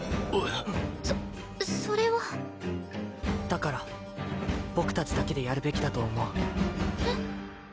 そそれはだから僕達だけでやるべきだと思うえっ？